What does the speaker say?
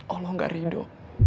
allah gak ridho